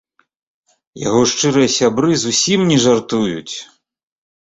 Яго шчырыя сябры зусім не жартуюць.